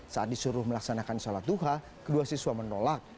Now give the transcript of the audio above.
saat disuruh melaksanakan sholat duha kedua siswa menolak